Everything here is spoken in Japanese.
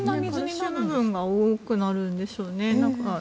カルシウム分が多くなるんでしょうね。